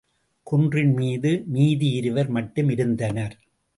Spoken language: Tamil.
குன்றின் மீது மீதி இருவர் மட்டும் இருந்தனர்.